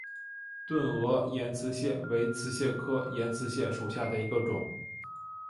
钝额岩瓷蟹为瓷蟹科岩瓷蟹属下的一个种。